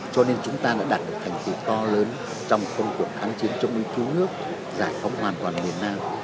cho nên chúng ta đã đạt được thành tựu to lớn trong công cuộc kháng chiến chống nước giải phóng hoàn toàn miền nam